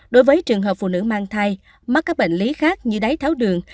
đối với trường hợp phụ nữ mang thai mắc các bệnh lý khác như đáy tháo đường